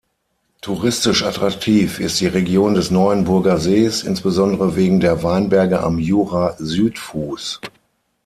Touristisch attraktiv ist die Region des Neuenburgersees insbesondere wegen der Weinberge am Jura-Südfuss.